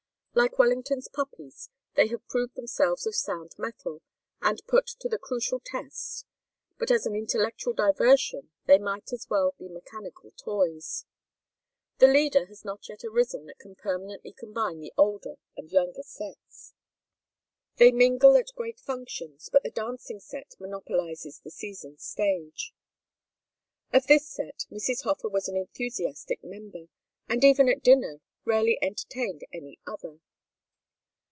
Like Wellington's puppies, they have proved themselves of sound metal when put to the crucial test, but as an intellectual diversion they might as well be mechanical toys. The leader has not yet arisen that can permanently combine the older and younger sets. They mingle at great functions, but the dancing set monopolizes the season's stage. Of this set Mrs. Hofer was an enthusiastic member, and even at dinner rarely entertained any other.